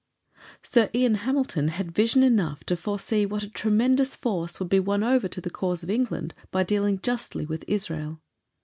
Sir Ian Hamilton had vision enough to foresee what a tremendous force would be won over to the cause of England by dealing justly with Israel.